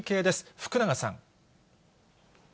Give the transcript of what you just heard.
福永さん。